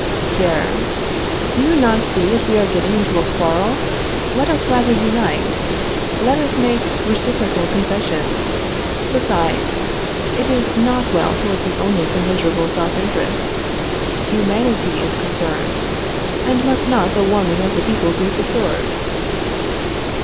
Pierre. Do you not see that we are getting into a quarrel? Let us rather unite. Let us make reciprocal concessions. Besides, it is not well to listen only to miserable self interest. Humanity is concerned, and must not the warming of the people be secured?